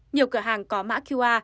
nhiều cửa hàng có mã qr